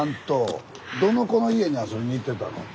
どの子の家に遊びに行ってたの？